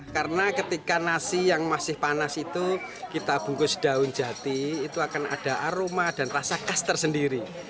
karena ketika nasi yang masih panas itu kita bungkus daun jati itu akan ada aroma dan rasa kaster sendiri